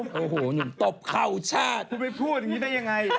ผมไม่พูดอย่างนี้ได้ยังไง